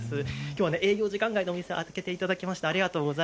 きょうは営業時間外でお店を開けていただきました。